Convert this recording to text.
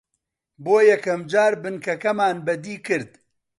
بۆ یەکەم جار بنکەکەمان بەدی کرد